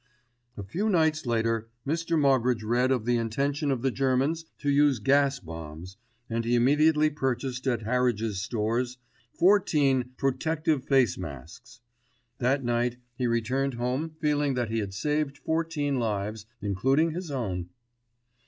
A few days later Mr. Moggridge read of the intention of the Germans to use gas bombs, and he immediately purchased at Harridges Stores fourteen "Protective Face Masks." That night he returned home feeling that he had saved fourteen lives, including his own.